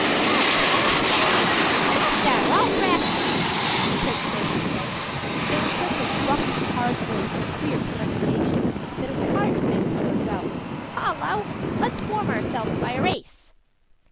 "Down, Snap, down: Stop that, or I'll thrash you," the Prince heard him say; though with such a rough, hard voice and queer pronunciation that it was difficult to make the words out. "Hollo! Let's warm ourselves by a race."